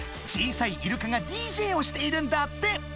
小さいイルカがＤＪをしているんだって。